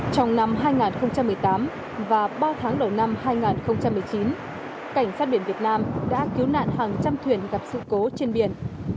trong năm hai nghìn một mươi tám và ba tháng đầu năm hai nghìn một mươi chín cảnh sát biển việt nam đã cứu nạn hàng trăm thuyền gặp sự cố trên biển